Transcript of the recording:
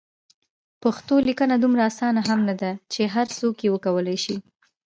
پښتو لیکنه دومره اسانه هم نده چې هر څوک یې وکولای شي.